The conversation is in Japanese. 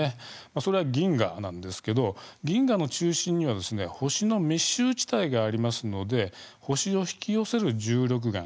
それは銀河なんですけど銀河の中心には星の密集地帯がありますので星を引き寄せる重力源